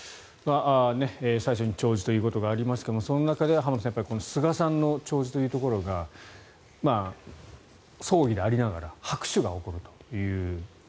最初に弔辞ということがありましたがその中で浜田さん菅さんの弔辞というところが葬儀でありながら拍手が起こるという。